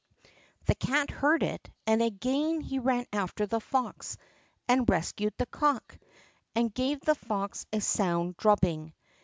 The cat heard it, and again he ran after the fox and rescued the cock, and gave the fox a sound drubbing.